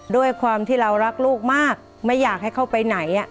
ด้วยความที่เรารักลูกมากไม่อยากให้เขาไปไหน